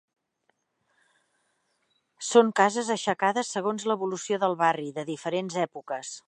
Són cases aixecades segons l'evolució del barri, de diferents èpoques.